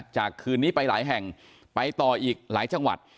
คืนนี้ไปหลายแห่งไปต่ออีกหลายจังหวัด